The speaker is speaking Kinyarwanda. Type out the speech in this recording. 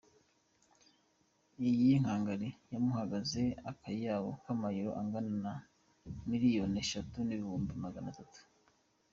Iyi kankari yamuhagaze akayabo k'amayero angana na miliyoni eshatu n'ibihumbi magana atatu.